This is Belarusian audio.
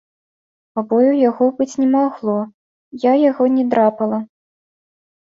Пабояў у яго быць не магло, я яго не драпала.